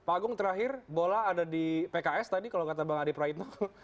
pak agung terakhir bola ada di pks tadi kalau kata bang adi praitno